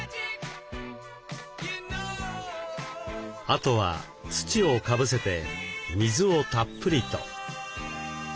あとは土をかぶせて水をたっぷりと。